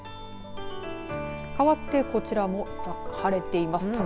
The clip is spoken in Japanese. かわってこちらも晴れています。